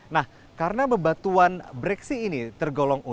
nah karena bebatuan breksi ini tergolong